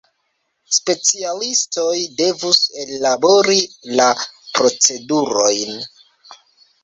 Specialistoj devus ellabori la procedurojn.